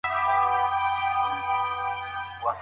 که لیک پر کاغذ وي نو لمس کیدلای سي.